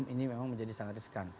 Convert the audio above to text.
ini memang menjadi sangat riskan